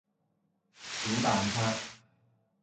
小蛋撻